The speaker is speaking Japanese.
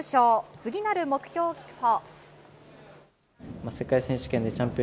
次なる目標を聞くと。